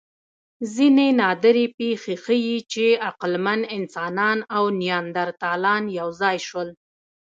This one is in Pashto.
ځینې نادرې پېښې ښيي، چې عقلمن انسانان او نیاندرتالان یو ځای شول.